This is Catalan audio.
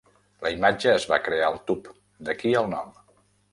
La imatge es va crear al tub, d'aquí el nom.